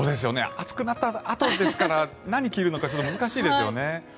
暑くなったあとですから何を着るのか難しいですよね。